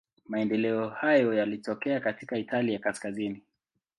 Maendeleo hayo yalitokea katika Italia kaskazini.